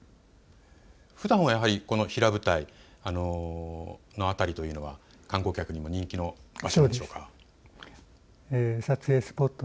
ふだんはやはり平舞台の辺りというのは観光客にも人気の場所なんでしょうか。